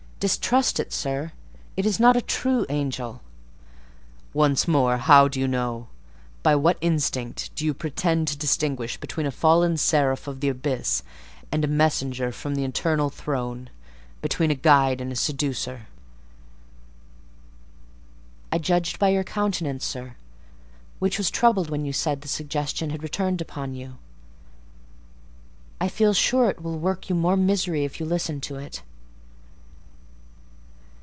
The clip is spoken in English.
"Distrust it, sir; it is not a true angel." "Once more, how do you know? By what instinct do you pretend to distinguish between a fallen seraph of the abyss and a messenger from the eternal throne—between a guide and a seducer?" "I judged by your countenance, sir, which was troubled when you said the suggestion had returned upon you. I feel sure it will work you more misery if you listen to it."